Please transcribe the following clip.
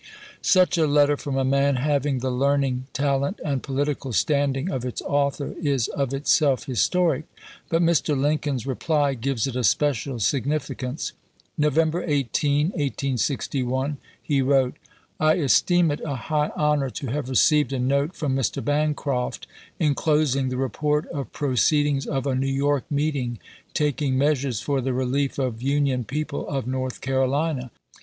Such a letter, from a man having the learning, talent, and political standing of its author, is of itself historic ; but Mr. Lincoln's reply gives it a special significance. I'^ovember 18, 1861, he wrote :" I esteem it a high honor to have received a note from Mr. Bancroft, inclosing the report of proceedings of a New York meeting taking measures for the relief of Union people of North Carolina.